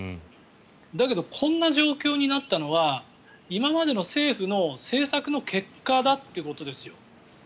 だけど、こんな状況になったのは今までの政府の政策の結果だということですよ。